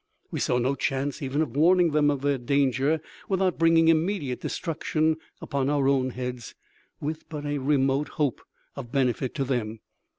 We saw no chance even of warning them of their danger without bringing immediate destruction upon our own heads, with but a remote hope of benefit to them.